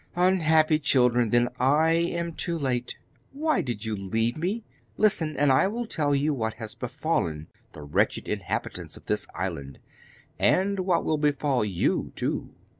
'Unhappy children, then I am too late! Why did you leave me? Listen, and I will tell you what has befallen the wretched inhabitants of this island, and what will befall you too.